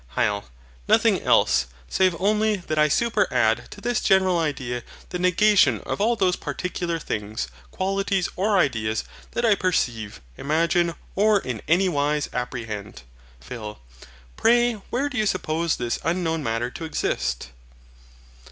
HYL. Nothing else; save only that I super add to this general idea the negation of all those particular things, qualities, or ideas, that I perceive, imagine, or in anywise apprehend. PHIL. Pray where do you suppose this unknown Matter to exist?